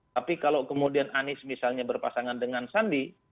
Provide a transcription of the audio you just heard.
tapi kalau kemudian anies misalnya berpasangan dengan sandi